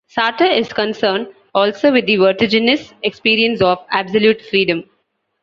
Sartre is concerned also with the "vertiginous" experience of absolute freedom.